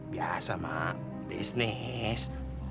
biasa mak bisnis